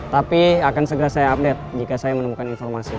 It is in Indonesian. tapi akan segera saya update jika saya menemukan informasi